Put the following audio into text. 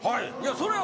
それは。